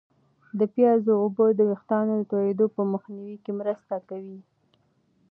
د پیازو اوبه د ویښتانو د توییدو په مخنیوي کې مرسته کوي.